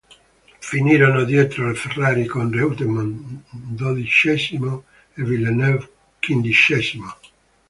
Finirono dietro le Ferrari, con Reutemann dodicesimo e Villeneuve quindicesimo.